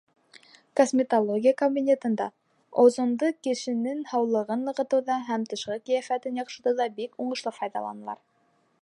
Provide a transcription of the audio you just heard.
Косметология кабинетында озонды кешенең һаулығын нығытыуҙа һәм тышҡы ҡиәфәтен яҡшыртыуҙа бик уңышлы файҙаланалар.